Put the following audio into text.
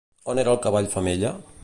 On era el cavall femella?